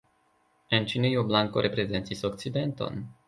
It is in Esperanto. En Ĉinio blanko reprezentis okcidenton.